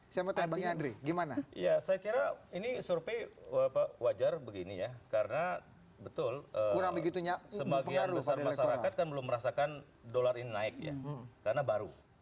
saya kira ini survei wajar begini ya karena betul sebagian besar masyarakat kan belum merasakan dolar ini naik ya karena baru